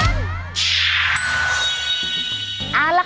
แม่บ้านพันธุ์จันทร์บ้าน